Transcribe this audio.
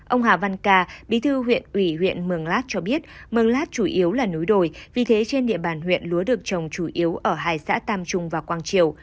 ông hà văn ca bí thư huyện ủy huyện mường lát cho biết mừng lát chủ yếu là núi đồi vì thế trên địa bàn huyện lúa được trồng chủ yếu ở hai xã tam trung và quang triều